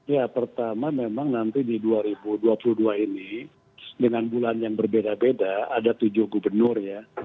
ya pertama memang nanti di dua ribu dua puluh dua ini dengan bulan yang berbeda beda ada tujuh gubernur ya